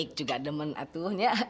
ik juga demen atuhnya